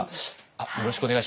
よろしくお願いします。